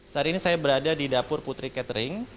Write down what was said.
saat ini saya berada di dapur putri catering